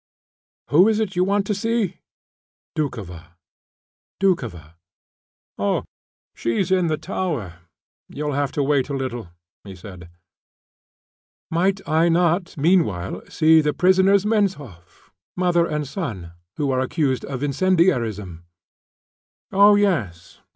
"Who is it you want to see?" "Doukhova." "Oh, she's in the tower. You'll have to wait a little," he said. "Might I not meanwhile see the prisoners Menshoff, mother and son, who are accused of incendiarism?" "Oh, yes.